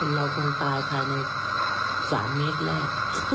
เราคงตายภายใน๓เมตรแรก